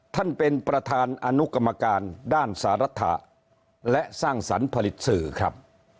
ท่านประธานอนุกรรมการด้านสารถะและสร้างสรรค์ผลิตสื่อครับ